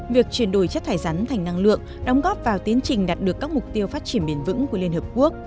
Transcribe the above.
việc chuyển đổi chất thải rắn thành năng lượng đóng góp vào tiến trình đạt được các mục tiêu phát triển bền vững của liên hợp quốc